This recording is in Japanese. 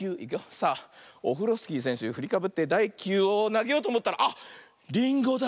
さあオフロスキーせんしゅふりかぶってだい１きゅうをなげようとおもったらあっリンゴだ。